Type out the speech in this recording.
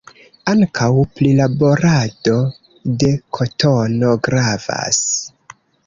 Ankaŭ prilaborado de kotono gravas.